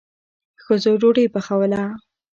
ښځو ډوډۍ پخوله.